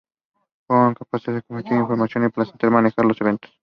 Fueron capaces de compartir información y planear cómo manejar los eventos.